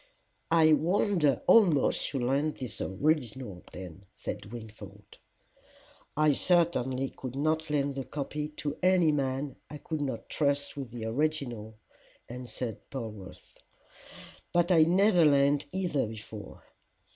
"I wonder almost you lend the original then," said Wingfold. "I certainly could not lend the copy to any man I could not trust with the original," answered Polwarth. "But I never lent either before."